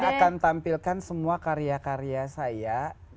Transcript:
saya akan tampilkan semua karya karya saya